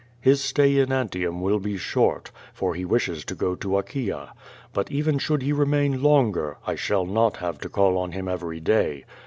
His slay in Antium will be short, for he wishes to go to Achaia. But even should he remain longer. 1 shall not have to call on liim every day.